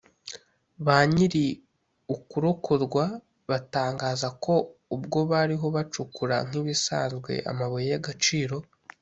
Ba nyiri ukurokorwa batangaza ko ubwo bariho bacukura nk’ibisanzwe amabuye y’agaciro